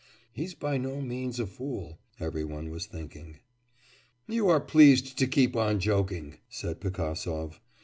'He's by no means a fool,' every one was thinking. 'You are pleased to keep on joking,' said Pigasov.